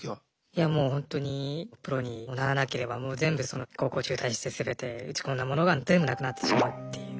いやもうほんとにプロにならなければもう全部高校中退して全て打ち込んだものが全部なくなってしまうっていう。